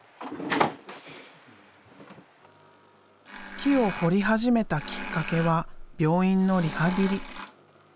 木を彫り始めたきっかけは病院のリハビリ。